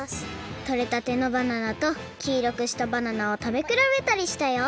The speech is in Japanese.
とれたてのバナナときいろくしたバナナをたべくらべたりしたよ。